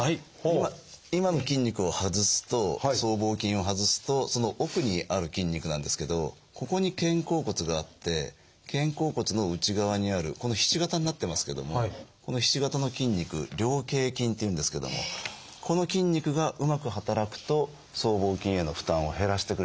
今の筋肉を外すと僧帽筋を外すとその奥にある筋肉なんですけどここに肩甲骨があって肩甲骨の内側にあるひし形になってますけどもこのひし形の筋肉「菱形筋」っていうんですけどもこの筋肉がうまく働くと僧帽筋への負担を減らしてくれるんですね。